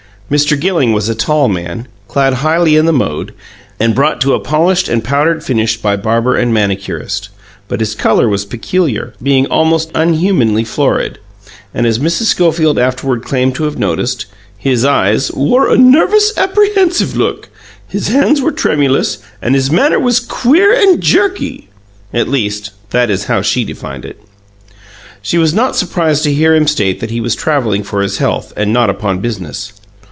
Mr. Gilling was a tall man, clad highly in the mode, and brought to a polished and powdered finish by barber and manicurist; but his colour was peculiar, being almost unhumanly florid, and, as Mrs. Schofield afterward claimed to have noticed, his eyes "wore a nervous, apprehensive look", his hands were tremulous, and his manner was "queer and jerky" at least, that is how she defined it. She was not surprised to hear him state that he was travelling for his health and not upon business.